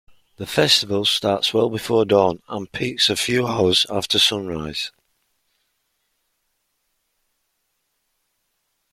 The festival starts well before dawn and peaks a few hours after sunrise.